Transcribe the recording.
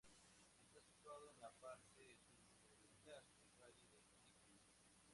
Está situado en la parte suroriental del Valle de Lecrín.